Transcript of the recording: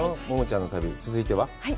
桃ちゃんの旅、続いては？